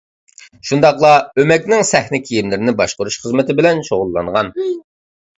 شۇنداقلا ئۆمەكنىڭ سەھنە كىيىملىرىنى باشقۇرۇش خىزمىتى بىلەن شۇغۇللانغان.